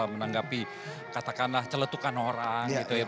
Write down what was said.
menanggapi katakanlah celetukan orang gitu ya